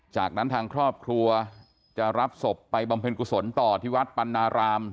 จากนั้นทางครอบครัวจะรับศพไปบำเพ็ญกุศลต่อที่วัดปันนาราม